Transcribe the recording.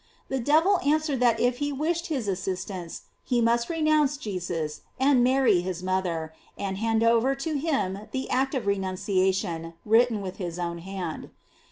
The devil answered that if he wished his assist ance, he must renounce Jesus, and Mary his moth er, and hand over to him the act of renuncia tion, written with his own hand.